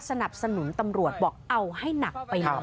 สนับสนุนตำรวจบอกเอาให้หนักไปหน่อย